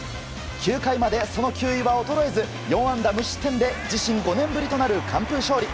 ９回までその球威は衰えず４安打無失点で自身５年ぶりとなる完封勝利。